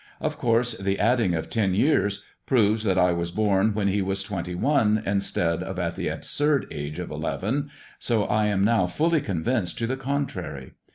Of course the adding of ten years proves that I was born when THE dwarf's chamber 163 he was twenty one, instead of at the absurd age of eleven; so I am now fully convinced to the contrary.